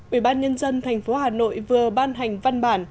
ubnd tp hà nội vừa ban hành văn bản